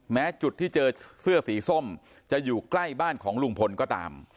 แม้จุดที่เจอเสื้อสีส้มจะอยู่ใกล้บ้านของลุงพลก็ตาม